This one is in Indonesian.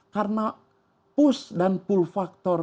karena push dan pull faktor